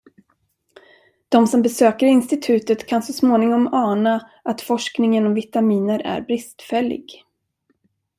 De som besöker institutet kan så småningom ana att forskningen om vitaminer är bristfällig.